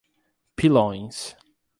Pilões